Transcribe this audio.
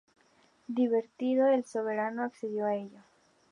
Divertido, el soberano accedió a ello.